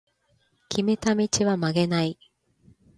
決めた道は曲げない